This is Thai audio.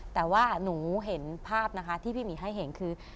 แต่ว่าหนูเห็นภาพนะคะที่พี่หมีให้เห็นคือ